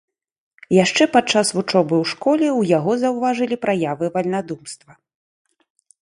Яшчэ падчас вучобы ў школе ў яго заўважылі праявы вальнадумства.